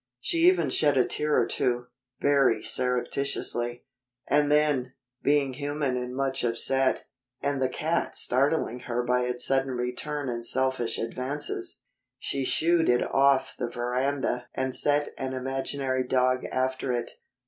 She even shed a tear or two, very surreptitiously; and then, being human and much upset, and the cat startling her by its sudden return and selfish advances, she shooed it off the veranda and set an imaginary dog after it.